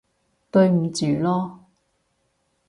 對唔住囉